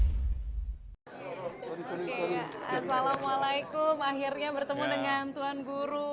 oke assalamualaikum akhirnya bertemu dengan tuan guru